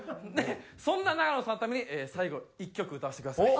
そんな永野さんのために最後１曲歌わせてください。